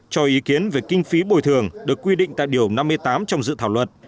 cho ý kiến về kinh phí bồi thường được quy định tại điều năm mươi tám trong dự thảo luật